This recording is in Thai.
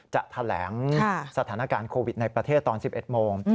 จะแถลงสถานการณ์โควิดในประเทศตอน๑๑โมง